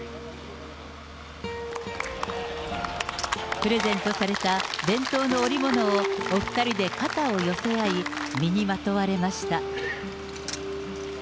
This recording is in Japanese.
プレゼントされた、伝統の織物をお２人で肩を寄せ合い、身にまとわれました。